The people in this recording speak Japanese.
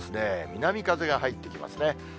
南風が入ってきますね。